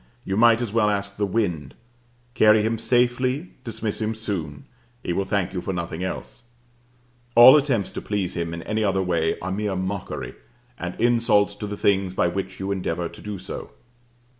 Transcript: You might as well ask the wind. Carry him safely, dismiss him soon: he will thank you for nothing else. All attempts to please him in any other way are mere mockery, and insults to the things by which you endeavor to do so.